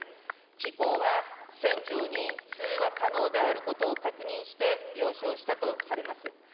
機構は、船長に通話可能であることを確認して、了承したとされます。